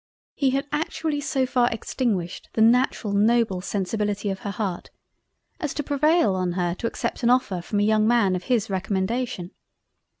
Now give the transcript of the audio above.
He had actually so far extinguished the natural noble Sensibility of her Heart, as to prevail on her to accept an offer from a young Man of his Recommendation.